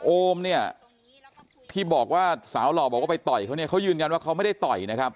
โอมเนี่ยที่บอกว่าสาวหล่อบอกว่าไปต่อยเขาเนี่ยเขายืนยันว่าเขาไม่ได้ต่อยนะครับ